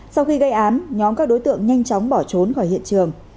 sau khi gây án nhóm các đối tượng nhanh chóng bỏ trốn khỏi hiện trường